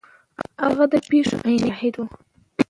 هغه د پیښو عیني شاهد و.